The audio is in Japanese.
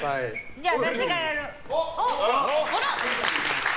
じゃあ私がやる。